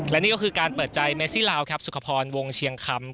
และนี่ก็คือการเปิดใจเมซิลาวครับสุขพรวงเชียงคำ